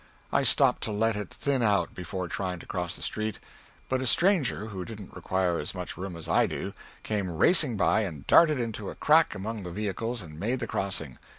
I stopped to let it thin out before trying to cross the street, but a stranger, who didn't require as much room as I do, came racing by and darted into a crack among the vehicles and made the crossing.